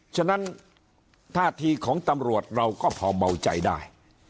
ฉะนั้นท่าทีของตำรวจเราก็พอเบาใจได้